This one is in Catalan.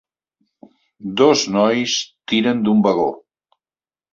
Dos nois tiren d'un vagó.